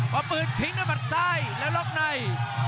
ประมือพิงด้วยหมัดซ้ายแล้วล็อกใน